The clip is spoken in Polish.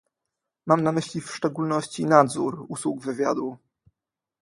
Mam na myśli w szczególności nadzór usług wywiadu